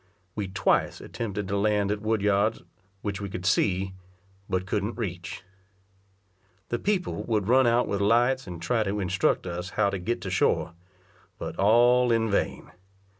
We twice attempted to land at Wood yards, which we could see, but couldn't reach. The people would run out with lights, and try to instruct us how to get to shore; but all in vain.